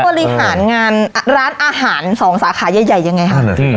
บริหารงานร้านอาหารสองสาขาใหญ่ยังไงคะ